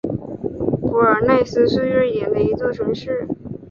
博尔奈斯是瑞典的一座城市。